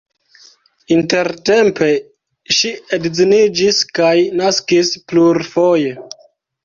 Intertempe ŝi edziniĝis kaj naskis plurfoje.